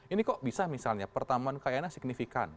ini kok bisa misalnya pertamuan kayaknya signifikan